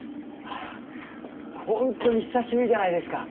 本当に久しぶりじゃないですか。